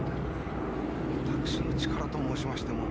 私の力と申しましても。